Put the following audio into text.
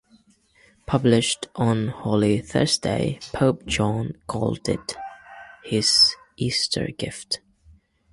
Published on Holy Thursday, Pope John called it his "Easter gift".